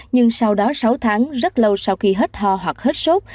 nhưng sau đó sáu tháng rất lâu sau khi hết ho hoặc hết sốt